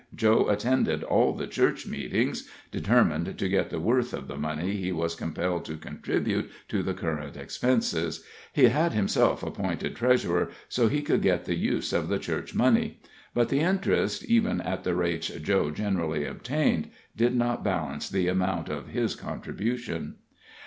Joe attended all the church meetings determined to get the worth of the money he was compelled to contribute to the current expenses he had himself appointed treasurer, so he could get the use of the church money; but the interest, even at the rates Joe generally obtained, did not balance the amount of his contribution.